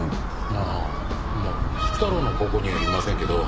ああまあ福太郎の高校にはいませんけど増えてますよね。